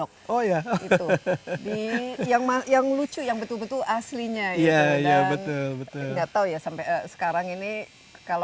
karena sistem kita terkenal